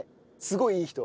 すごいいい人。